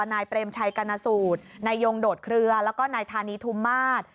นายเปรมชัยกรณสูตรนายยงโดดเครือแล้วก็นายธานีทุมมาศ